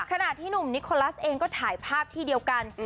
ขณะที่หนุ่มนิโคลัสเองก็ถ่ายภาพที่เดียวกัน